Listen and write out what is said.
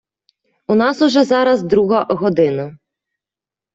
У нас уже зараз друга година.